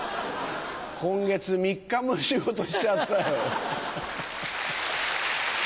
今月３日も仕事しちゃったよ。